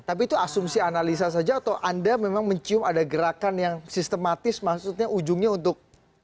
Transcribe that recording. tapi itu asumsi analisa saja atau anda memang mencium ada gerakan yang sistematis maksudnya ujungnya untuk